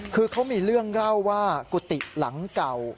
คือเขามีเรื่องเล่าว่ากุฏิหลังเก่า